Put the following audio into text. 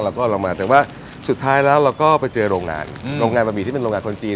แล้วก็เรามาแต่ว่าสุดท้ายแล้วเราก็ไปเจอโรงงานโรงงานบะหมี่ที่เป็นโรงงานคนจีน